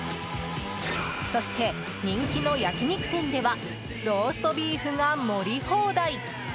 そして、人気の焼肉店ではローストビーフが盛り放題。